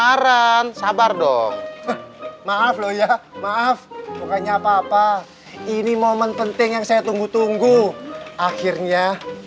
saran sabar dong maaf loh ya maaf bukannya apa apa ini momen penting yang saya tunggu tunggu akhirnya